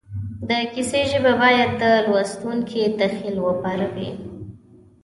د کیسې ژبه باید د لوستونکي تخیل وپاروي